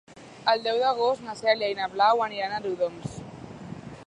El deu d'agost na Cèlia i na Blau aniran a Riudoms.